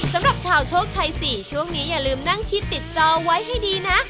สำหรับชาวโชคชัย๔ช่วงนี้อย่าลืมนั่งชิดติดจอไว้ให้ดีนะ